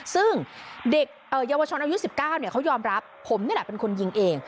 ซึ่งเด็กเยาวชนอายุ๑๙เขายอมรับผมนี่แหละเป็นคนยิงเอง